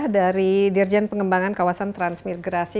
dari dirjen pengembangan kawasan transmigrasi